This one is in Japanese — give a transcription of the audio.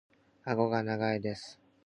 顎が長いです。